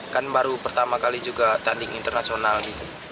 kan baru pertama kali juga tanding internasional gitu